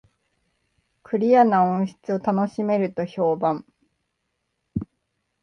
クリアな音質を楽しめると評判